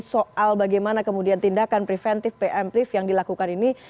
soal bagaimana kemudian tindakan preventif preemptif yang dilakukan ini